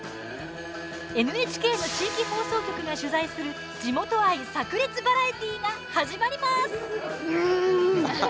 ＮＨＫの地域放送局が取材する地元愛さく裂バラエティーが始まります。